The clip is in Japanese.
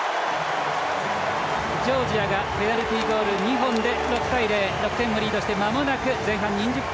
ジョージアがペナルティゴール２本で６対０、６点をリードしています。